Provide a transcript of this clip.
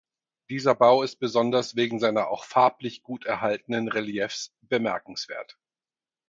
Dieser Bau ist besonders wegen seiner auch farblich gut erhaltenen Reliefs bemerkenswert.